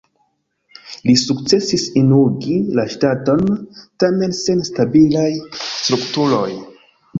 Li sukcesis unuigi la ŝtaton, tamen sen stabilaj strukturoj.